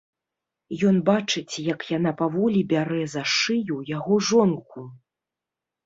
Ён бачыць, як яна паволi бярэ за шыю яго жонку...